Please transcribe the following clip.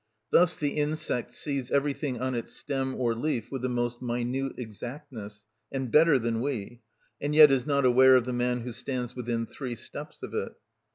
Thus the insect sees everything on its stem or leaf with the most minute exactness, and better than we, and yet is not aware of the man who stands within three steps of it.